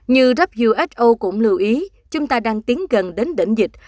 như who cũng lưu ý chúng ta đang tiến gần đến đỉnh dịch